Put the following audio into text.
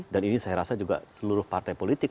dan ini saya rasa juga seluruh partai politik